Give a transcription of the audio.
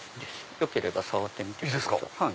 よければ触ってみてください。